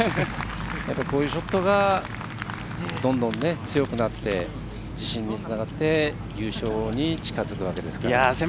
こういうショットがどんどん強くなって自信につながって優勝に近づくわけですから。